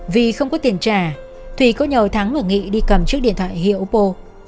vì không có tiền trả thùy có nhờ thắng và nghị đi cầm chiếc điện thoại hiệu pô